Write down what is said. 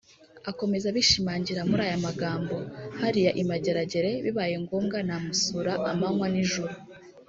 Akomeza abishimangira muri aya magambo “Hariya i Mageragere bibaye ngombwa namusura amanywa n’ijoro